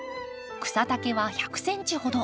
草丈は１００ｃｍほど。